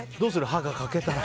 歯が欠けたら。